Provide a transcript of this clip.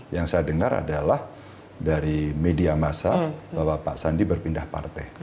yang saya dengar adalah dari media masa bahwa pak sandi berpindah partai